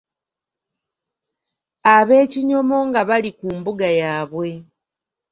Ab’Ekinyomo nga bali ku mbuga yaabwe.